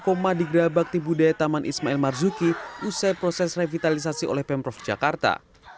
koma di gerabakti budaya taman ismail marzuki usai proses revitalisasi oleh pemprov jakarta